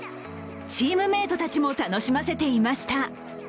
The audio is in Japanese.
チームメートたちも楽しませていました。